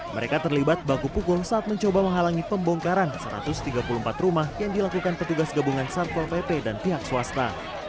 mereka terlibat baku pukul saat mencoba menghalangi pembongkaran satu ratus tiga puluh empat rumah yang dilakukan petugas gabungan satpol pp dan pihak swasta